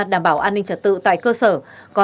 đảm bảo an ninh trật tự tại cơ sở